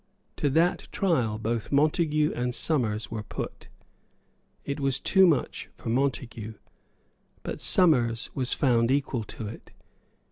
To that trial both Montague and Somers were put. It was too much for Montague. But Somers was found equal to it.